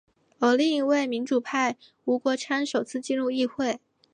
而另一位民主派吴国昌首次进入议会。